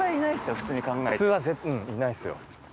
普通はいないですよ。